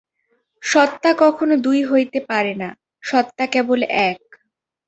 সত্তা কখনও দুই হইতে পারে না, সত্তা কেবল এক।